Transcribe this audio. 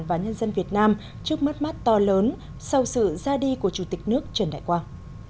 và nhân dân việt nam trước mắt mắt to lớn sau sự ra đi của chủ tịch nước trần đại quang